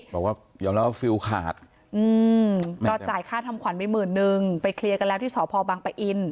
บอกว่ายอมรับว่าฟิลขาดก็จ่ายค่าทำขวัญไปหมื่นนึงไปเคลียร์กันแล้วที่สพบังปะอิน